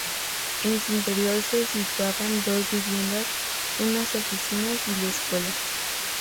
En su interior se situaban dos viviendas, unas oficinas y la escuela.